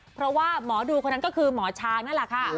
เพราะว่าหมอดูคนนั้นก็คือหมอช้างนั่นแหละค่ะ